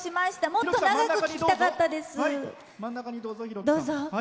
もっと長く聴きたかったです。